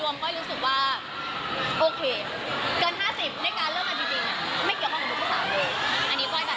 อันนี้ก้อยแบบคือยัง